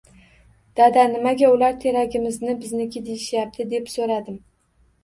Dada, nimaga ular teragimizni bizniki deyishyapti? – deb soʻradim.